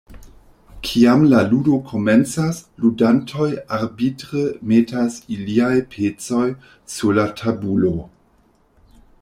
Kiam la ludo komencas, ludantoj arbitre metas iliaj pecoj sur la tabulo.